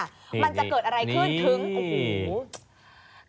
มันจะเกิดอะไรขึ้นถึงโอ้โห